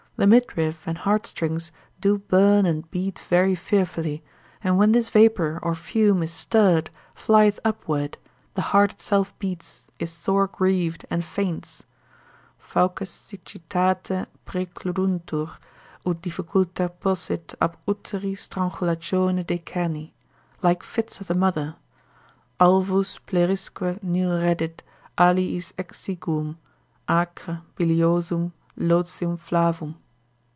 The midriff and heart strings do burn and beat very fearfully, and when this vapour or fume is stirred, flieth upward, the heart itself beats, is sore grieved, and faints, fauces siccitate praecluduntur, ut difficulter possit ab uteri strangulatione decerni, like fits of the mother, Alvus plerisque nil reddit, aliis exiguum, acre, biliosum, lotium flavum.